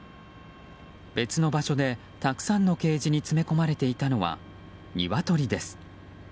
別の場所で、たくさんのケージに詰め込まれていたのはニワトリです。